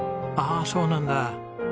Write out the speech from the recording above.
ああそうなんだ。